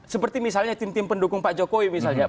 seperti misalnya tim tim pendukung pak jokowi misalnya